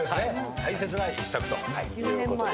大切な１作ということです。